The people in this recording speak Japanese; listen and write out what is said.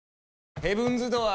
ヘブンズ・ドアー！